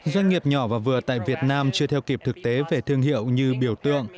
doanh nghiệp nhỏ và vừa tại việt nam chưa theo kịp thực tế về thương hiệu như biểu tượng